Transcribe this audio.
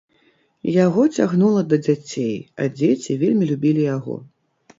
Яго цягнула да дзяцей, а дзеці вельмі любілі яго.